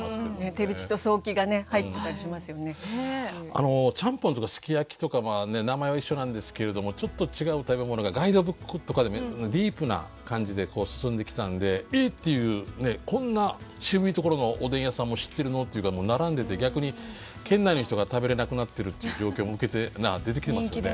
あのちゃんぽんとかすき焼きとか名前は一緒なんですけれどもちょっと違う食べ物がガイドブックとかでもディープな感じで進んできたんで「えっ？」っていうこんな渋いところのおでん屋さんも知ってるのっていうかもう並んでて逆に県内の人が食べれなくなってるっていう状況も出てきてますよね。